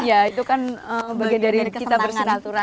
iya itu kan bagian dari kita bersilaturahmi